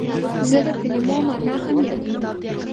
زه د کلمو مانا هم یادوم.